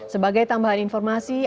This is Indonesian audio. sebagai tambahan informasi